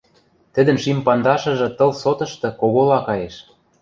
Тӹдӹн шим пандашыжы тыл сотышты когола каеш.